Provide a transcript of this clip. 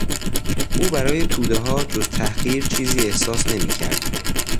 او برای تودهها جز تحقیر چیزی احساس نمیکرد.